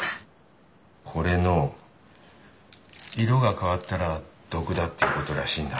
これの色が変わったら毒だっていうことらしいんだ。